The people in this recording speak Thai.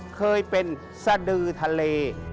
เคยเป็นสดือทะเล